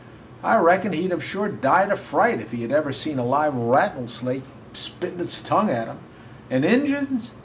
I reckon he 'd have sure died of fright if he had ever seen a live rattlesnake spittin' its tongue at him. "And Injuns!